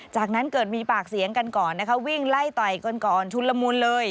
จากนั้นเกิดมีปากเสียงกันก่อนวิ่งไล่ไตก่อนชุดละมูลเลย